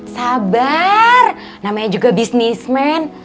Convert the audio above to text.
sabar namanya juga bisnismen